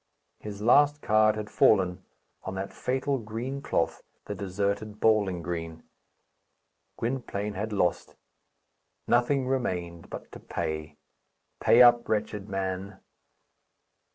His last card had fallen on that fatal green cloth, the deserted bowling green. Gwynplaine had lost. Nothing remained but to pay. Pay up, wretched man!